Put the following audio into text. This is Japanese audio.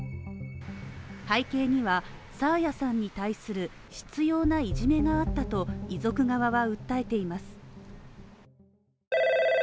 背景には爽彩さんに対する執ようないじめがあったと、遺族側は訴えています。